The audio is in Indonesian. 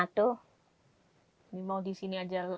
nggak bisa di sini aja